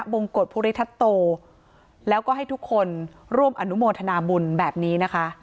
งกฎภูริทัตโตแล้วก็ให้ทุกคนร่วมอนุโมทนาบุญแบบนี้นะคะ